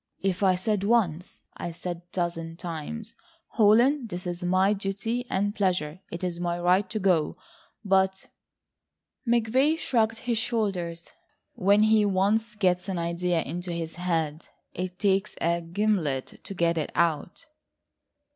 "If I said once, I said a dozen times: 'Holland, it is my duty and pleasure, it is my right to go,' but ..." McVay shrugged his shoulders, "when he once gets an idea into his head, it takes a gimlet to get it out."